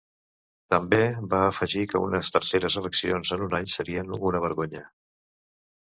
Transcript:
També va afegir que unes terceres eleccions en un any serien ‘una vergonya’.